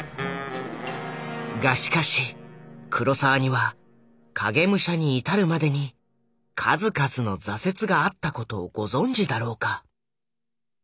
がしかし黒澤には「影武者」に至るまでに数々の挫折があったことをご存じだろうか？